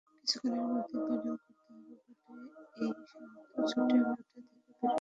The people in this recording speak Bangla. কিছুক্ষণের মধ্যেই বোলিং করতে হবে বলে ইশান্ত ছুটে মাঠ থেকে বেরোতে থাকেন।